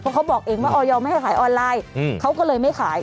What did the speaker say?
เขาบอกเองว่าออยไม่ให้ขายออนไลน์เขาก็เลยไม่ขาย